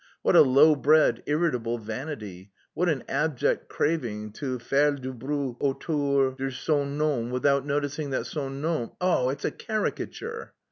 What a low bred, irritable vanity! What an abject craving to faire du bruit autour de son nom, without noticing that son nom.... Oh, it's a caricature!